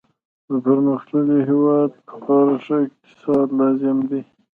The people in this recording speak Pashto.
د پرمختللي هیواد لپاره ښه اقتصاد لازم دی